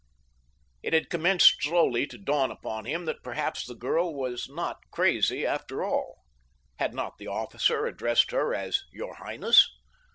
It had commenced slowly to dawn upon him that perhaps the girl was not crazy after all. Had not the officer addressed her as "your highness"?